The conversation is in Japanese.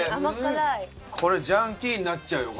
これジャンキーになっちゃうよ。